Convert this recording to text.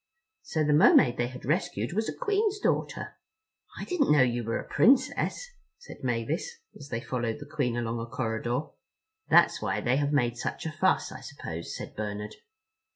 So the Mermaid they had rescued was a Queen's daughter! "I didn't know you were a Princess," said Mavis, as they followed the Queen along a corridor. "That's why they have made such a fuss, I suppose," said Bernard.